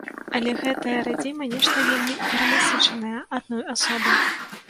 Але гэтая радзіма нешта вельмі перанасычаная адной асобай.